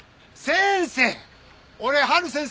先生！